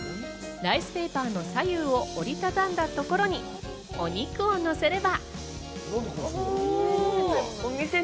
ライスペーパーの左右を折りたたんだところにお肉をのせれば。